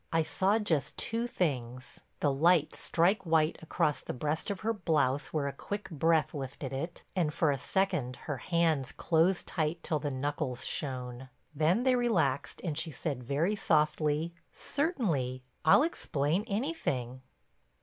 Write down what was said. I saw just two things—the light strike white across the breast of her blouse where a quick breath lifted it, and, for a second, her hands close tight till the knuckles shone. Then they relaxed and she said very softly: "Certainly. I'll explain anything."